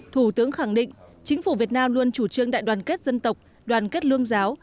thủ tướng khẳng định chính phủ việt nam luôn chủ trương đại đoàn kết dân tộc đoàn kết lương giáo